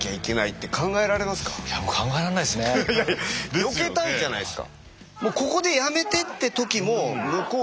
よけたいじゃないですか。